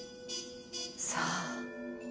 さあ。